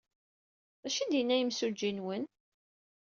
D acu ay d-yenna yimsujji-nwen?